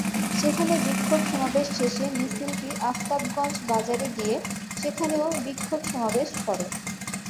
সেখানে বিক্ষোভ সমাবেশ শেষে মিছিলটি আফতাবগঞ্জ বাজারে গিয়ে সেখানেও বিক্ষোভ সমাবেশ করে।